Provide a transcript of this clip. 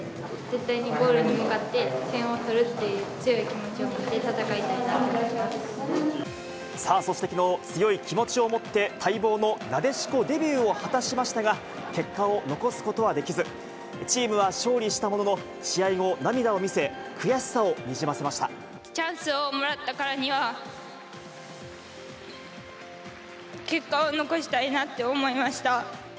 絶対にゴールに向かって、点を取るという強い気持ちを持って戦いさあ、そしてきのう、強い気持ちを持って、待望のなでしこデビューを果たしましたが、結果を残すことはできず、チームは勝利したものの、試合後、涙を見せ、悔しさをにじませましチャンスをもらったからには、結果を残したいなと思いました。